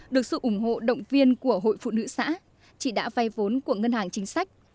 được sự ủng hộ động viên của hội phụ nữ xã chị đã vay vốn của ngân hàng chính sách